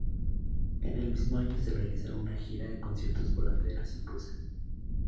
En el mismo año realizaron una gira de conciertos por la Federación Rusa.